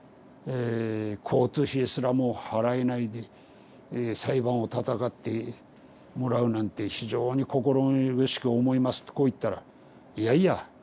交通費すらも払えないで裁判をたたかってもらうなんて非常に心苦しく思います」ってこう言ったら「いやいや」。